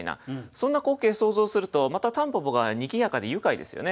そんな光景想像するとまた蒲公英がにぎやかで愉快ですよね。